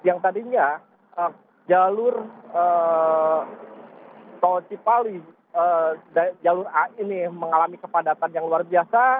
yang tadinya jalur tol cipali jalur a ini mengalami kepadatan yang luar biasa